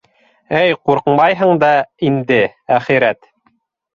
Әй, ҡурҡмайһың да инде, әхирәт!